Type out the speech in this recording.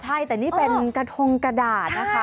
ใช่แต่นี่เป็นกระทงกระดาษนะคะ